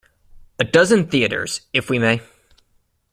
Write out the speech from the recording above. A dozen theatres, if we may.